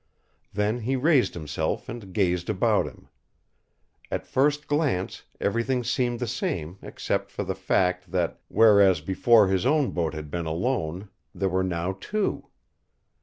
Then he raised himself and gazed about him. At first glance everything seemed the same except for the fact that, whereas before his own boat had been alone, there were now two.